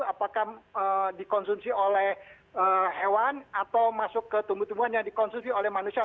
apakah dikonsumsi oleh hewan atau masuk ke tumbuh tumbuhan yang dikonsumsi oleh manusia